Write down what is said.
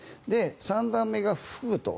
３段目が噴くと。